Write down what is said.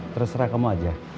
terserah kamu aja